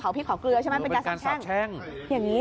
เผาพริกขอเกลือใช่ไหมเป็นการสับแช่ง